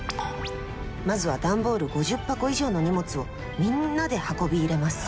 まずは段ボール５０箱以上の荷物をみんなで運び入れます。